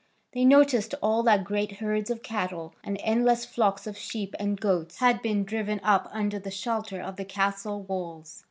They noticed also that great herds of cattle and endless flocks of sheep and goats had been driven up under the shelter of the castle walls.